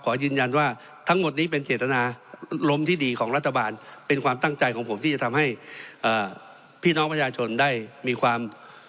ขอยืนยันว่าทั้งหมดนี้เป็นเจตนารมณ์ที่ดีของรัฐบาลเป็นความตั้งใจของผมที่จะทำให้พี่น้องประชาชนได้มีความ